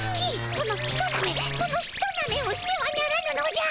そのひとなめそのひとなめをしてはならぬのじゃ。